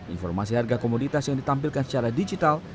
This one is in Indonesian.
informasi harga komoditas yang ditampilkan secara digital